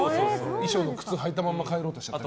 衣装の靴はいたまま帰ろうとしたり。